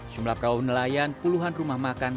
jumlah perawah nelayan puluhan rumah makan